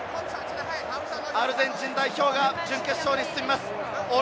アルゼンチン代表が準決勝に進みます。